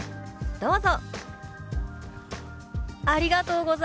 どうぞ。